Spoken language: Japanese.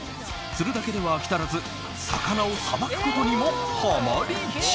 釣るだけでは飽き足らず魚をさばくことにもハマり中。